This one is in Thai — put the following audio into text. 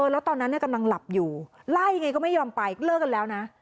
แล้วตอนนั้นกำลังหลับอยู่ไล่ไงก็ไม่ยอมไปเลิกกันแล้วนะ